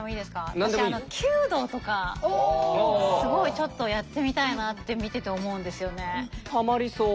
私すごいちょっとやってみたいなって見てて思うんですよね。